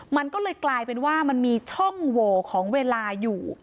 มันก็เลยกลายเป็นว่ามันมีช่องโหวของเวลาอยู่